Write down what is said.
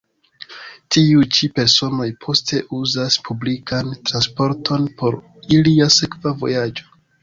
Tiuj ĉi personoj poste uzas publikan transporton por ilia sekva vojaĝo.